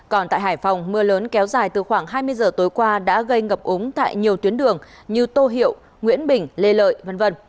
còn tại hải phòng mưa lớn kéo dài từ khoảng hai mươi giờ tối qua đã gây ngập úng tại nhiều tuyến đường như tô hiệu nguyễn bình lê lợi v v